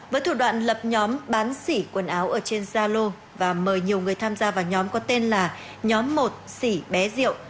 với thủ đoạn lập nhóm bán xỉ quần áo ở trên gia lô và mời nhiều người tham gia vào nhóm có tên là nhóm một xỉ bé diệu